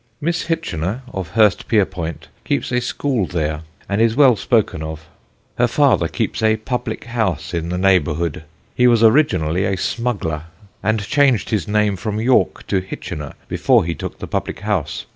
Miss Hitchener, of Hurstpierpoint, keeps a School there, and is well spoken of; her Father keeps a Publick House in the Neighbourhood, he was originally a Smuggler and changed his name from Yorke to Hitchener before he took the Public House.